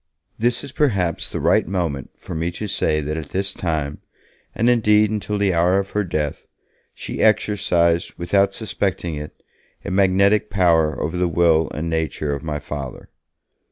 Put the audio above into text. This is perhaps the right moment for me to say that at this time, and indeed until the hour of her death, she exercised, without suspecting it, a magnetic power over the will and nature of my Father.